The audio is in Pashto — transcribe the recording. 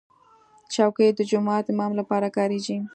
چوکۍ د جومات امام لپاره کارېږي.